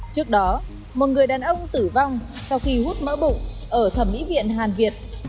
trước đó một người đàn ông tử vong sau khi hút mỡ bụng ở thẩm mỹ viện hàn việt